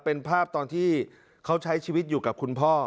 เป็นภาพตอนที่เขาใช้ชีวิตอยู่กับคุณพ่อ